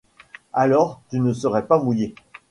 Alors tu ne serais pas mouillée.